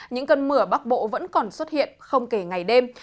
những cơn mưa ở bắc bộ vẫn còn xuất hiện không kể ngày đêm